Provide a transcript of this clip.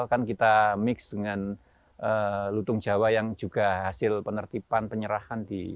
kan kita mix dengan lutung jawa yang juga hasil penertiban penyerahan di